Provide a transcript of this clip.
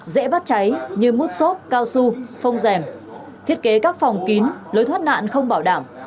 dễ bắt cháy như mút xốp cao su phong rèm thiết kế các phòng kín lối thoát nạn không bảo đảm